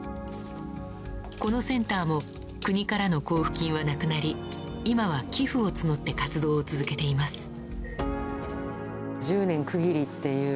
このセンターも国からの交付金はなくなり今は寄付を募って活動を続けています。